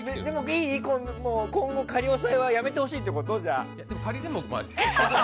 今後、仮押さえはやめてほしいってこと？